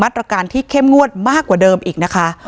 มัตรการแข่มงวดกว่าเดิมอีกนะคะ